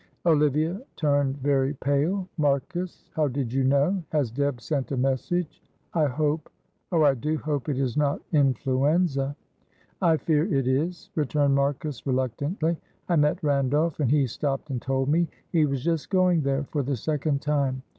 Olivia turned very pale. "Marcus, how did you know? Has Deb sent a message? I hope oh, I do hope, it is not influenza." "I fear it is," returned Marcus, reluctantly. "I met Randolph, and he stopped and told me. He was just going there for the second time.